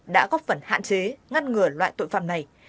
đã góp phần hạn chế ngăn ngừa loại tội phạm này